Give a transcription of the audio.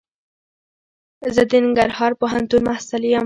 زه دننګرهار پوهنتون محصل یم.